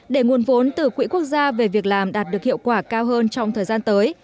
để nguồn vốn từ quỹ quốc gia về việc làm đạt được hiệu quả cao hơn trong thời gian tới